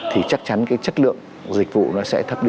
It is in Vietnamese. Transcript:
thì chắc chắn cái chất lượng dịch vụ nó sẽ thấp đi